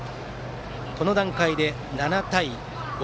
この段階で７対５。